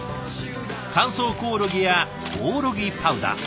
乾燥コオロギやコオロギパウダー。